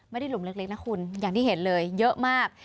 หลุมเล็กนะคุณอย่างที่เห็นเลยเยอะมาก